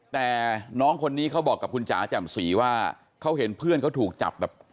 แต่น้องคนนี้เขาบอกกับคุณจ๋าแจ่มสีว่าเขาเห็นเพื่อนเขาถูกจับแบบ